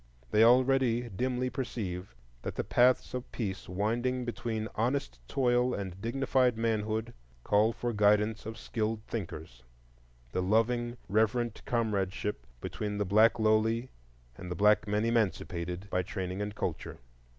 They already dimly perceive that the paths of peace winding between honest toil and dignified manhood call for the guidance of skilled thinkers, the loving, reverent comradeship between the black lowly and the black men emancipated by training and culture.